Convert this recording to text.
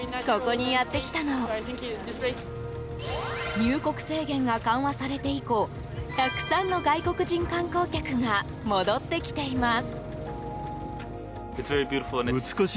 入国制限が緩和されて以降たくさんの外国人観光客が戻ってきています。